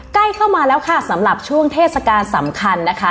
ใกล้เข้ามาแล้วค่ะสำหรับช่วงเทศกาลสำคัญนะคะ